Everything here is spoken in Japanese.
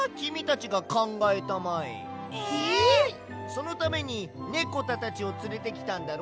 そのためにネコタたちをつれてきたんだろ。